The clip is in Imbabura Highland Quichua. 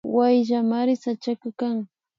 Wayllamari sachaka kan